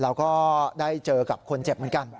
เราก็ได้เจอกับคนเจ็บเหมือนกัน